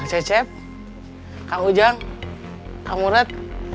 kang cecep kak ujang kak murad